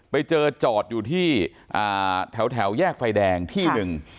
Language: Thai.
ไปเจอจอดอยู่ที่แถวแยกไฟแดงที่หนึ่ง